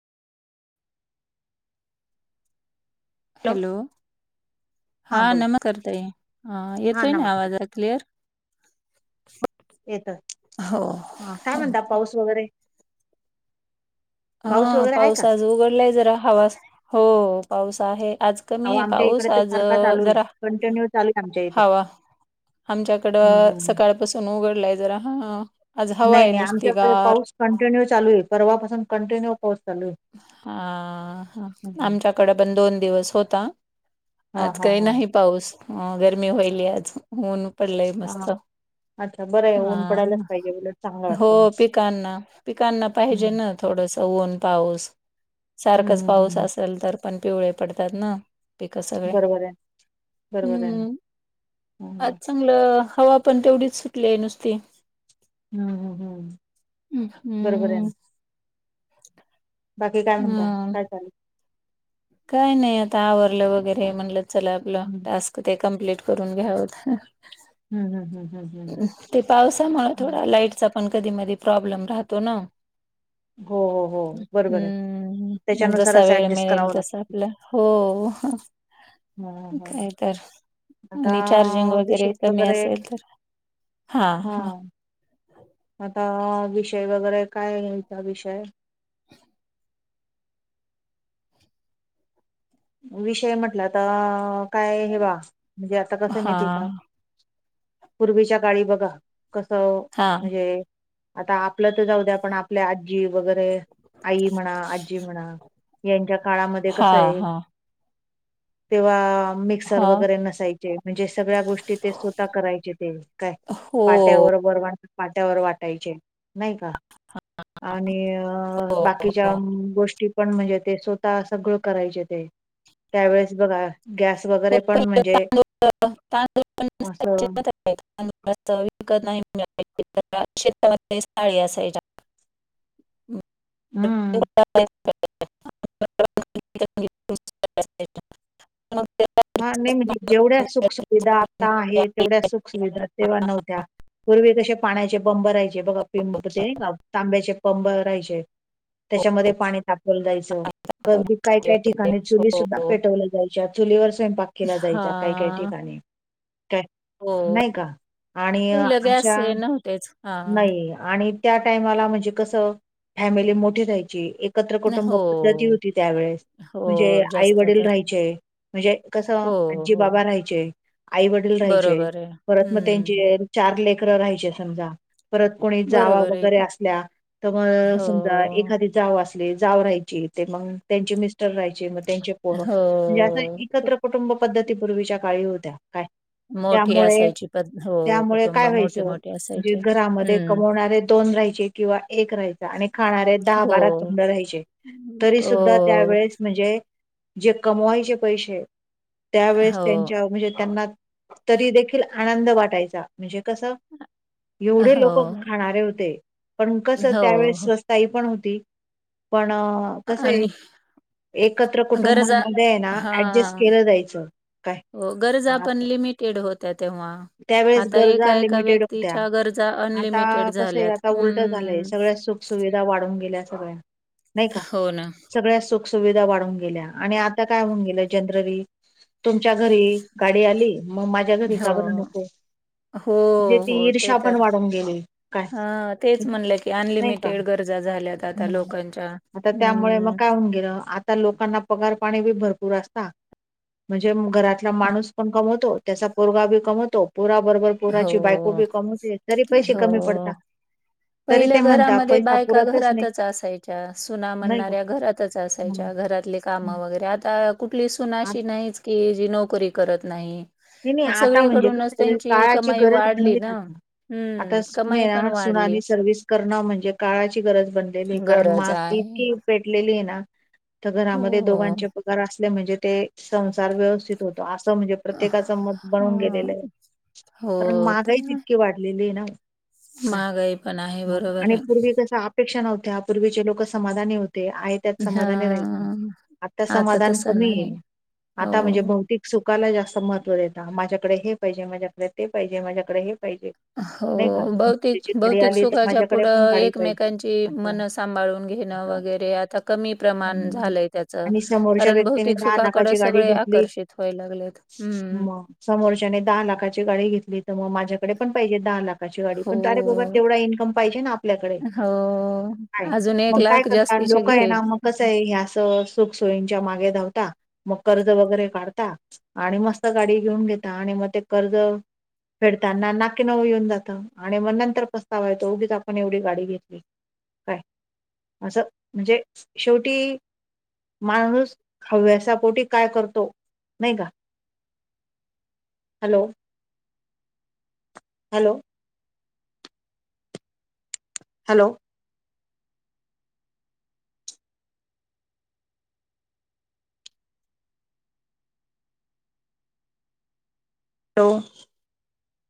Hello, हा नमकर ताई हा येतोय ना आवाज क्लियर येतोय. हा काय म्हणता पाऊस वगैरे, हा, वगैरे आहे पाऊस का आज उघडलाय जरा हवा हो पाऊस आहे. आज कमी अहो आहे. आमच्या इकडे पाऊस तर आज सारखा चालू आहे जरा कंटिन्यू चालू आहे आमच्या इथे हवा हम्म आमच्याकडं हम्म सकाळपासून उघडलाय जरा ह आज हवा नाही आहे नाही नुसती आमच्याकडे गार पाऊस कंटिन्यू चालू आहे. परवापासून कंटिन्यू पाऊस चालू आहे. हा हा, हम्म हम्म. आमच्याकडे पण दोन दिवस होता. हा आज हा काही हा, नाही पाऊस गरमी व्हायला. आज ऊन पडलंय हा मस्त. अच्छा बरं हाय, हा ऊन पडयलाच पाहिजे. उलट चांगलं हो, वाटतं मग पिकांना -पिकांना पाहिजे हम्म ना थोडस ऊन. पाऊस हम्म सारखच हम्म पाऊस हम्म. असेल, तर पण पिवळे पडतात ना, पिक सगळे बरोबर आहे बरोबर आहे ना हम्म, हम्म अच्छा तंगल हवा पण तेवढीच सुटली आहे नुसती. हम्म हम्म हम्म ह बरोबर आहे हम्म, ना बाकी काय म्हणता हम्म काय चाललंय. काय नाही. आता आवरलं वगैरे म्हणलं चला आपलं हम्म टास्क त ते, कम्प्लीट करून घ्यावत. हम ह ह ह ह, ते पावसामुळे थोडा लाईटचा पण कधी- मधी प्रॉब्लेम राहतो ना, [inaudible] हो बरोबर आहे हम्म जसा त्याच्यानुसारच वेळ ऍडजस्ट मिळेल करावं तस लागतं. आपलं हो हा हा काय तर आता आणि चार्जिंग विषय वगैरे कमी वगैरे असेल तर हा हा आता विषय वगैरे काय घ्यायचा विषय विषय म्हटलं तर काय हे बा म्हणजे आता कस हा माहिती आहे का पूर्वीच्या काळी बघा....... कस हा म्हणजे आता आपलं तर जाऊ द्या आपण आपल्या आजी वगैरे आई म्हणा आजी म्हणा यांच्या काळामध्ये कस हा आहे. हा तेव्हा मिक्सर हां. वगैरे नसायचे म्हणजे सगळ्या गोष्टी ते स्वतः करायचे ते काय? हो वरवाणटा पाट्यावर वाटायचे नाही का? आणि अ हो, बाकीच्या हो. गोष्टी पण म्हणजे ते स्वतः सगळं करायचे ते त्यावेेळेस बघा गॅस वगैरे खूप पण म्हणजे तांदूळ तांदूळ असं पण विकत नाही अळी असायच्या हम्म [unintelligible] ब [unintelligible] नमस् स [unintelligible] हा नाही म्हणजे जेवढ्या सुख सुुविधा आता आहे तेवढ्या सुख सुुविधा तेव्हा नव्हत्या. पूर्वी कसे पाण्याचे बंब राहायचे बघा पिंप ते तांब्याचे बंब राहायचे त्याच्यामध्ये पाणी ताप जायच की काय काय मग ठिकाणी चुली सुद्धा हो. पेटवलं जायच्या चुलीवर पाक केला जायचा काही काही हां. ठिकाणी तर हो. नाही का आणि पहिलं गॅस अशा हे नव्हतेच. हां. नाही. आणि त्या टाईमाला म्हणजे कसं फॅमिली मोठी राहायची. एकत्र नाही. कुटुंब हो, पद्धती होती त्यावेेळेस हो. म्हणजे आई जास्त वडील तर. राहायचे म्हणजे कसं हो, आजी हो. बाबा राहायचे आई वडील राहायचे बरोबर आहे. परत मग हं. त्यांचे चार लेकरं राहायचे समजा परत कोणी जावा बरोबर आहे वगैरे की. असल्या तर मग हो, समजा एखादी जाऊ असले जाव राहायची ते मग त्यांची म रहायचे मग त्यांचे पोरं म्हणजे असं हो. एकत्र कुटुंब पद्धतीपूर्वीच्या काळी होत्या का.... मोठी त्यामुळे असायची पद हो, त्यामुळे कुटुंब काय व्हायचं मोठी-मोठी म्हणजे असायचे. घरामध्ये हं. कमवणारे दोन राहायचे किंवा एक राहायचा आणि खाणारे दहा बारा हो. तोंड राहायचे तरी सुद्धा हो, त्यावेेळेस म्हणजे जे कमवायचे पैसे त्यावेेळेस हो, त्यांच्या म्हणजे त्यांना तरी देखील आनंद वाटायचा म्हणजे कस एवढे लोक हो, खाणारे होते पण कस त्यावेळे हो. स्वस्त ताई पण होती पण कस आहे आणि एकत्र गरजा कुटुंबामध्ये आहे ना ऍडजस्ट हां. केलं जायचं काय हो गरजा पण लिमिटेड होत्या तेव्हा त्यावेेळेस आता गरजा एका-एका लिमिटेड होत्या व्यक्तीच्या गरजा आता अनलिमिटेड कसं आहे झाल्यात. आता उलट झालंय हं. सगळ्या सु सुविधा वाढून गेल्या सगळ्यां नाही का हो ना. सगळ्या सुख सुुविधा वाढून गेल्या आणि आता काय होऊन गेलं जनरली तुमच्या घरी ये गाडी आली मग माझ्या घरी हो. का बर नको. हो, म्हणजे ती हो. ते ईर्षा पण तर वाढून गेली. काय हा तेच म्हणलं की अनलिमिटेड गरजा झाल्यात आता नाही. लोकांच्या. आता त्यामुळे मग हम्म काय होऊन गेलं. आजकाल लोकांना पगार पाणी बी भरपूर अस ता. म्हणजे घरातला माणूस पण कमवतो. त्याचा पोरगा बी कमवतो. पोराबरोबर हो पोराची बायको बी कमवते तरी पैसे कमी पडता. तरी ते पहिलं म्हणता घरामध्ये पैसा बायका पुरतच नाही घरातच असायच्या. सुना नाही का म्हणणाऱ्या घरातच हं, असायच्या. घरातले हं. कामं वगैरे, आता कुठली सुन आ अशी नाहीच की जी नोकरी करत नाही. नाही नाही. मग आता म्हणजे सगळीकडूनच कस त्यांची काळाची कमाई गरज वाढली बनल्या. ना आता हम्म सुन कमाई आहे पण ना, वाढली सुनानी सर्व्हिस करणं म्हणजे काळाची गरज बन लई बेकार आणि गरज महाग बी आहे इतकी पेटलेली आहे ना. तर घरामध्ये हो. दोघांचे पगार असले म्हणजे ते संसार व्यवस्थित होतो. असं म्हणजे प्रत्य प्रत्येकाचं मत बनून गेलेलं हा आहे. हो कारण ते महागाईच इतकी वाढलेली आहे ना. काय महागाई पण आहे मग बरोबर आणि आहे पूर्वी कस ह अपेक्षा नव्हत्या. पूर्वीचे लोक समाधानी होते. आहेत. त्यात समाधानी राहायचं. हा. आता समाधान तसं कमी नाही. आहे आता म्हणजे हो. भौतिक सुखाला जास्त महत्त्व देता. माझ्याकडे हे पाहिजे, माझ्याकडे ते पाहिजे, माझ्याकडे हे पाहिजे. हो. नाही का भौतिक त्याची गाडी भौतिक आली तर सुखाच्या माझ्याकडे पण पुढं गाडी पाहिजे एकमेकांची असं मनस सांभाळून घेणे असं वगैरे आता कमी प्रमाण हम्म. झाले त्याचं आणि समोरच्या कारण व्यक्तीने भौतिक दहा सुखा कड सगळे आकर्षित व्हाय लागले. मग समोरच्याने दहा लाखाची गाडी घेतली. तर मग माझ्याकडे पण पाहिजे दहा लाख खाची गाडी हो, पण अरे बाबा तेवढा इन्कम पाहिजे ना आपल्याकडे. हो. काय अजून एक लाख जास्तीचे घे. ह्या अस सुख सोयींच्या मागे धावता मग कर्ज वगैरे काढता. आणि मस्त गाडी घेऊन घेता आणि मग ते कर्ज फेडताना नाकी नऊ येऊन जातं आणि मग नंतर पस्तावा येतो की, उगीच आपण एवढी गाडी घेतली. काय असं म्हणजे शेवटी माणूस हव्यासापोटी काय करतो नाही का. Hello, hello, hello hello,